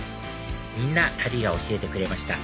みんな旅が教えてくれました